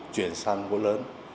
chuyển sang gỗ lớn